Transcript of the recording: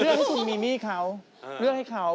เหลือให้คุณมิมี่เขาเหลือให้เขา